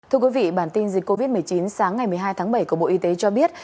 thưa quý vị bản tin dịch covid một mươi chín sáng ngày một mươi hai tháng bảy của bộ y tế cho biết